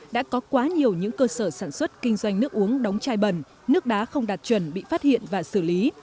đã có quá nhiều những cơ sở sản xuất kinh doanh nước uống đóng chai bẩn nước đá không đạt chuẩn bị phát hiện và xử lý